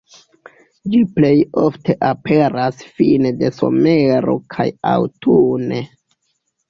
Ĝi plej ofte aperas fine de somero kaj aŭtune.